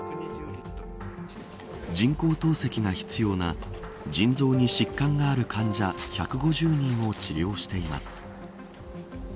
人工透析が必要な腎臓に疾患がある患者１５０人を治療しています。